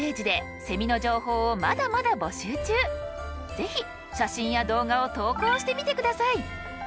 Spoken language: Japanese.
ぜひ写真や動画を投稿してみて下さい。